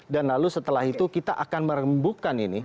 dan lalu setelah itu kita akan merembukan ini